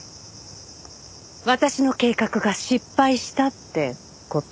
私の計画が失敗したって事？